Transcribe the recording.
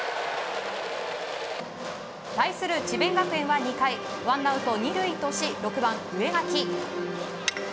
対する智弁学園は２回ワンアウト２塁とし６番、植垣。